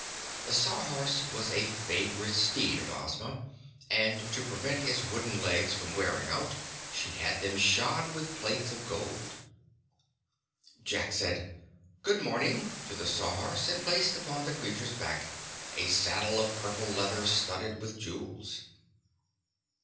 The Sawhorse was the favorite steed of Ozma and to prevent its wooden legs from wearing out she had them shod with plates of gold. Jack said "Good morning" to the Sawhorse and placed upon the creature's back a saddle of purple leather, studded with jewels.